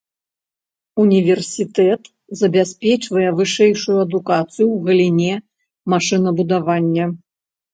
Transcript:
Універсітэт забяспечвае вышэйшую адукацыю ў галіне машынабудавання.